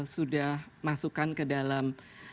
sudah masukkan ke dalam